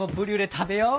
食べよう！